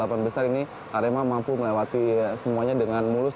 di babak ke delapan besar ini arema mampu melewati semuanya dengan mulus